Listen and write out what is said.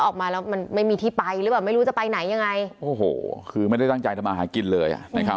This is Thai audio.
คือไม่ได้ตั้งใจทำอาหารกินเลย